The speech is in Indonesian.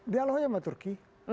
dialognya sama turki